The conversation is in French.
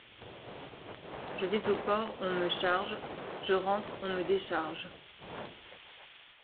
Je vais au port, on me charge, je rentre, on me décharge.